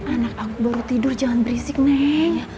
anak aku baru tidur jangan berisik nih